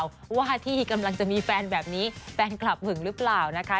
ว่าที่กำลังจะมีแฟนแบบนี้แฟนคลับหึงหรือเปล่านะคะ